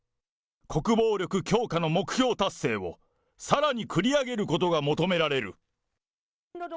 国防力強化の目標達成を、さらに繰り上げることが求められる。